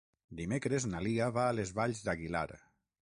Dimecres na Lia va a les Valls d'Aguilar.